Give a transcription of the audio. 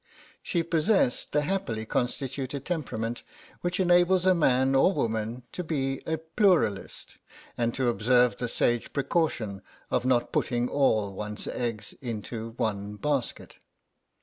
She possessed the happily constituted temperament which enables a man or woman to be a "pluralist," and to observe the sage precaution of not putting all one's eggs into one basket.